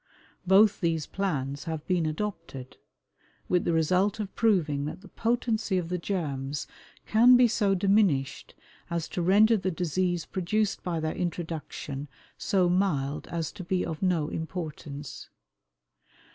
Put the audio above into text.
Both these plans have been adopted, with the result of proving that the potency of the germs can be so diminished as to render the disease produced by their introduction so mild as to be of no importance.